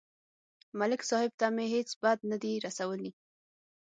ملک صاحب ته مې هېڅ بد نه دي رسولي